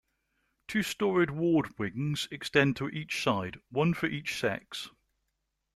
Two storeyed ward wings extend to each side, one for each sex.